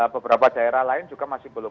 beberapa daerah lain juga masih belum